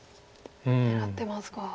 狙ってますか。